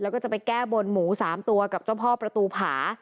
แล้วก็จะไปแก้บนหมู๓ตัวกับเจ้าพ่อประตูผา